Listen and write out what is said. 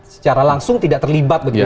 secara langsung tidak terlibat